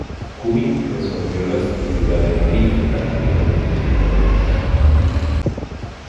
Cubitt resolvió la estructura de ladrillo prácticamente sin adornos.